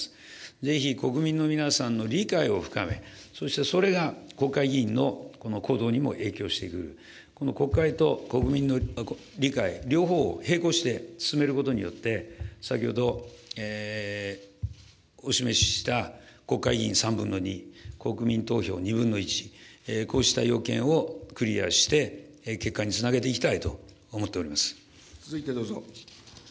ぜひ国民の皆さんの理解を深め、そしてそれが国会議員の行動にも影響してくる、この国会と国民の理解、両方を並行して進めることによって、先ほど、お示しした国会議員３分の２、国民投票２分の１、こうした要件をクリアして、結果につなげていきたいと思っており続いてどうぞ。